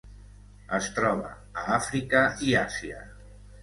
Es troba a Àfrica i Àsia.